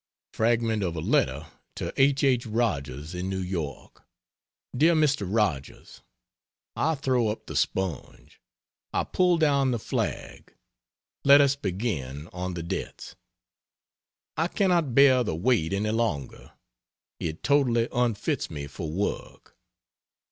Fragment of a letter to H. H. Rogers, in New York: DEAR MR. ROGERS, I throw up the sponge. I pull down the flag. Let us begin on the debts. I cannot bear the weight any longer. It totally unfits me for work.